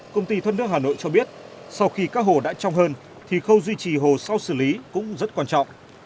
công ty thoát nước hà nội cho biết sau khi các hồ đã trong hơn thì khâu duy trì hồ sau xử lý cũng rất quan trọng